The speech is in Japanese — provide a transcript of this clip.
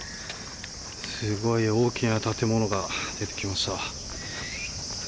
すごい大きな建物が出てきました。